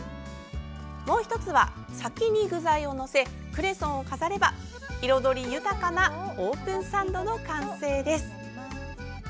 もう１つは、先に具材を載せクレソンを飾れば彩り豊かなオープンサンドの完成です。